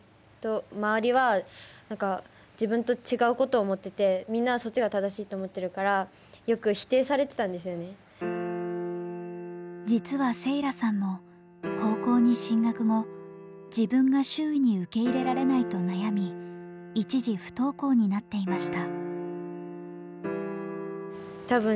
青く見えるけどみんなは赤が正しいってやっぱ実は聖良さんも高校に進学後自分が周囲に受け入れられないと悩み一時不登校になっていました。